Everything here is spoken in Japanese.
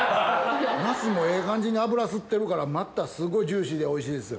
ナスもええ感じに油吸ってるからまたすごいジューシーでおいしいですよ。